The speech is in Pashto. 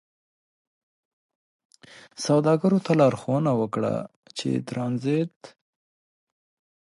سوداګرو ته لارښوونه وکړه چې ترانزیت